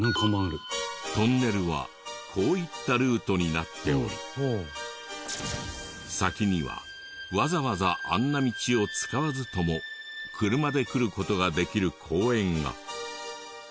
トンネルはこういったルートになっており先にはわざわざあんな道を使わずとも車で来る事ができる公園が。